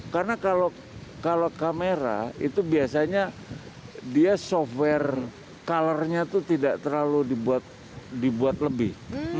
karena kalau kamera itu biasanya dia software colornya tuh tidak terlalu dibuat lebih